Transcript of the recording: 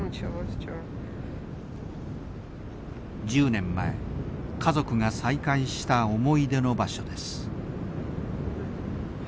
１０年前家族が再会した思い出の場所です。